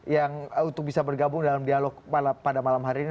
yang untuk bisa bergabung dalam dialog pada malam hari ini